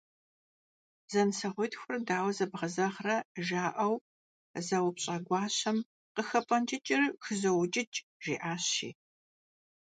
«Зэнысэгъуитхур дауэ зэбгъэзэгърэ?» - жаӏэу зэупщӏа гуащэм, «Къыхэпӏэнкӏыкӏыр хызоукӏыкӏ» - жиӏащ, жи.